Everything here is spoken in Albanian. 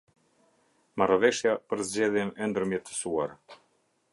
Marrëveshja për zgjedhjen e ndërmjetësuar.